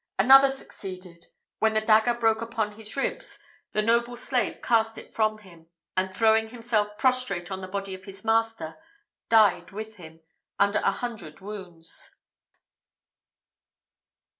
Another succeeded, when the dagger broke upon his ribs the noble slave cast it from him, and throwing himself prostrate on the body of his master, died with him, under a hundred wounds.